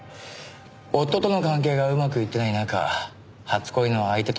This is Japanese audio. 夫との関係がうまくいってない中初恋の相手と再会した。